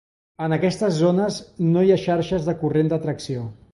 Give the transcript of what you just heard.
En aquestes zones no hi ha xarxes de corrent de tracció.